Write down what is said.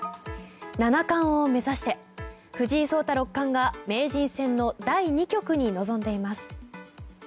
七冠を目指して藤井聡太六冠が名人戦の第２局に臨んでいます。